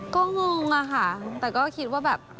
ก็งงอะค่ะแต่ก็คิดว่าแบบ